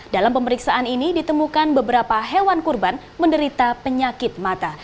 dalam pemeriksaan ini ditemukan beberapa hewan kurban menderita penyakit mata